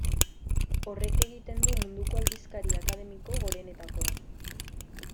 Horrek egiten du munduko aldizkari akademiko gorenetakoa.